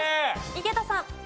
井桁さん。